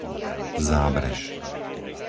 Zábrež